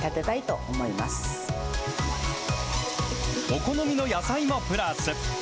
お好みの野菜もプラス。